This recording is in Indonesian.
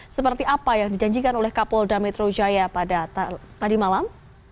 seperti apa yang dijanjikan oleh kapolda metro jaya pada tadi malam